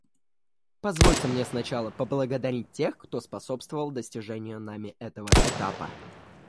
Позвольте мне сначала поблагодарить тех, кто способствовал достижению нами этого этапа.